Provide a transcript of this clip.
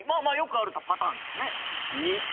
まあよくあるパターンですね。